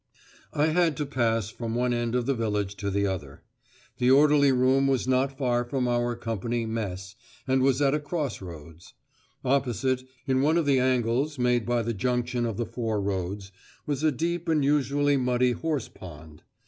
I had to pass from one end of the village to the other. The orderly room was not far from our company "Mess" and was at a cross roads. Opposite, in one of the angles made by the junction of the four roads, was a deep and usually muddy horse pond.